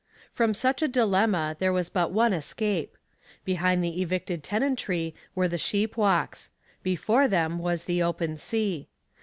From such a dilemma there was but one escape. Behind the evicted tenantry were the sheep walks; before them was the open sea.